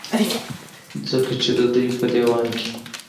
ځکه چې د دوي پۀ ديوان کې